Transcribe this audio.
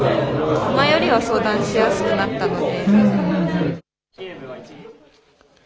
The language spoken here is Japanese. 前よりは相談しやすくなったので。